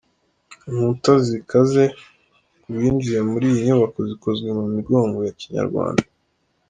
inkuta z’ikaze ku winjiye muri iyi nyubako zikozwe mu migongo yakinyarwanda.